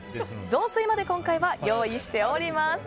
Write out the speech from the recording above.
雑炊まで今回は用意しております。